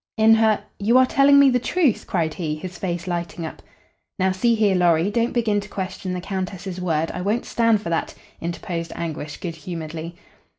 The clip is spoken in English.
"In her you are telling me the truth?" cried he, his face lighting up. "Now, see here, Lorry, don't begin to question the Countess's word. I won't stand for that," interposed Anguish, good humoredly.